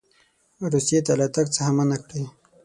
روسیې ته له تګ څخه منع کړي.